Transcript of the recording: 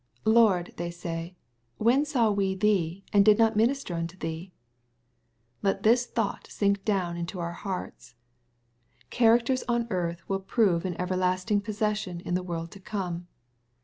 " Lord/' they say, " when saw wc thee, — and did not minister nnto thee ?*' Let this thought sink down into our hearts. fCharacters on earth will prove an everlasting possession in the world to come.